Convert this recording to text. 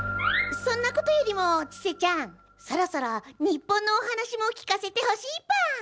そんなことよりもちせちゃんそろそろ日本のおはなしも聞かせてほしいぽん。